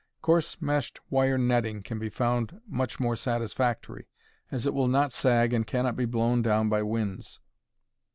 Coarse meshed wire netting will be found much more satisfactory, as it will not sag and cannot be blown down by winds.